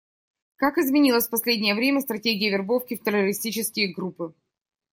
Как изменилась в последнее время стратегия вербовки в террористические группы?